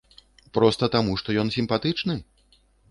Проста таму, што ён сімпатычны?